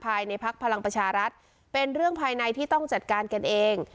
พักพลังประชารัฐเป็นเรื่องภายในที่ต้องจัดการกันเอง